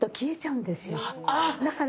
だから。